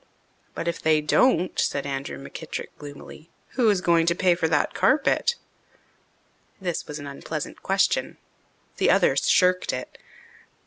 "But if they don't," said Andrew McKittrick gloomily, "who is going to pay for that carpet?" This was an unpleasant question. The others shirked it.